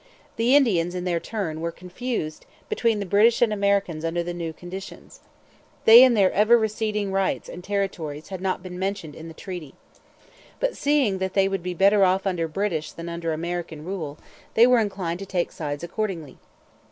The Indians, in their turn, were confused between the British and Americans under the new conditions. They and their ever receding rights and territories had not been mentioned in the treaty. But, seeing that they would be better off under British than under American rule, they were inclined to take sides accordingly.